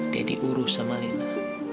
dedi urus sama lila